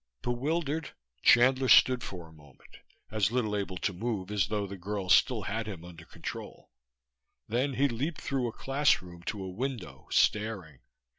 Bewildered, Chandler stood for a moment, as little able to move as though the girl still had him under control. Then he leaped through a classroom to a window, staring.